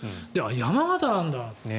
山形なんだって。